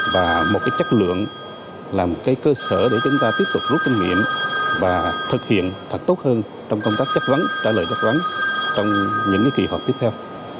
và một chất lượng là một cái cơ sở để chúng ta tiếp tục rút kinh nghiệm và thực hiện thật tốt hơn trong công tác chất vấn trả lời chất vấn trong những kỳ họp tiếp theo